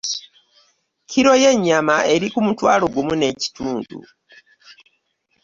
Kiro y'ennyama eri ku mutwaalo gumu n'ekituundu.